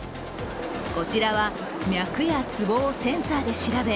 こちらは脈やつぼをセンサーで調べ